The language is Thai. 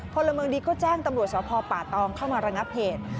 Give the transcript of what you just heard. พลเมืองดีก็แจ้งตำรวจสภป่าตองเข้ามาระงับเหตุ